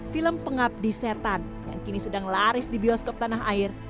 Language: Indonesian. film pengabdi setan yang kini sedang laris di bioskop tanah air